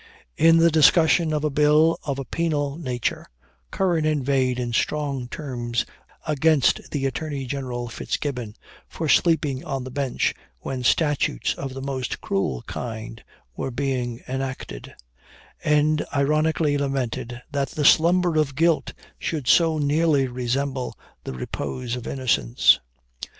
In the discussion of a bill of a penal nature, Curran inveighed in strong terms against the Attorney General, Fitzgibbon, for sleeping on the bench when statutes of the most cruel kind were being enacted; and ironically lamented that the slumber of guilt should so nearly resemble the repose of innocence.